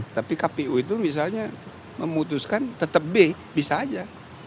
tapi kpu itu misalnya memutuskan tetap b bisa aja